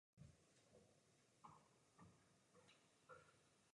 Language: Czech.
Nehodí se pro Evropu, kterou potřebujeme a o níž sníme.